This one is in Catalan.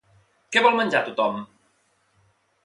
Què vol menjar tothom?